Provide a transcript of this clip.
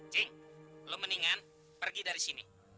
cing lo mendingan pergi dari sini